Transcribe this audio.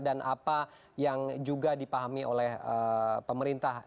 dan apa yang juga dipahami oleh pemerintah